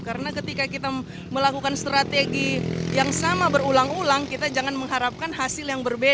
karena ketika kita melakukan strategi yang sama berulang ulang kita jangan mengharapkan hasil yang berbeda